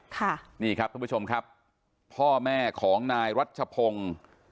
ค่ะนี่ครับท่านผู้ชมครับพ่อแม่ของนายรัชพงศ์